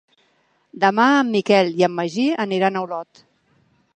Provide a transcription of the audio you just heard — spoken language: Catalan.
Demà en Miquel i en Magí aniran a Olot.